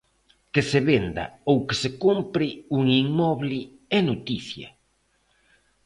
Que se venda ou que se compre un inmoble é noticia.